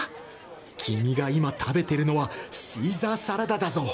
君が今食べてるのはシーザーサラダだぞ